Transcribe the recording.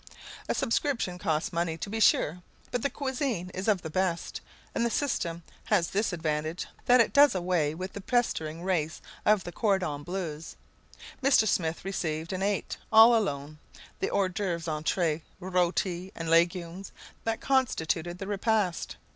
A subscription costs money, to be sure, but the cuisine is of the best, and the system has this advantage, that it does away with the pestering race of the cordons bleus. Mr. Smith received and ate, all alone, the hors d'oeuvre, entrées, rôti, and legumes that constituted the repast.